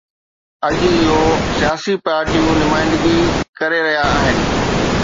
اڄ اهو سياسي پارٽيون نمائندگي ڪري رهيا آهن